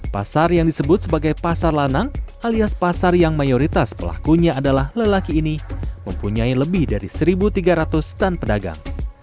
pasar yang disebut sebagai pasar lanang alias pasar yang mayoritas pelakunya adalah lelaki ini mempunyai lebih dari satu tiga ratus stand pedagang